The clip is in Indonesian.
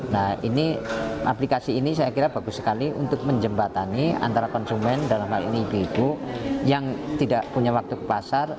nah ini aplikasi ini saya kira bagus sekali untuk menjembatani antara konsumen dalam hal ini ibu ibu yang tidak punya waktu ke pasar